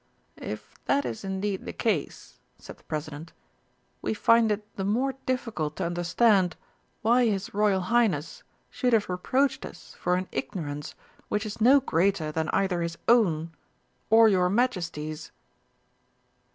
"If that is indeed the case," said the President, "we find it the more difficult to understand why his Royal Highness should have reproached us for an ignorance which is no greater than either his own or your Majesty's."